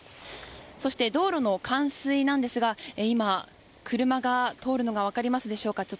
そして道路の冠水なんですが車が通るのが分かりますでしょうか。